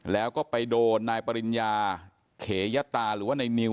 แล้วก็ไปโดนนายปริญญาเขยตาหรือว่าในนิว